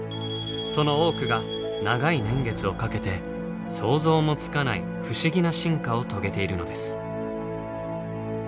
その多くが長い年月をかけて想像もつかない不思議な進化を遂げているのです。